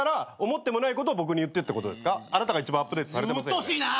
うっとうしいな！